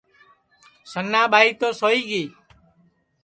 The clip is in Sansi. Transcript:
سننا ٻائی تو سوئی گی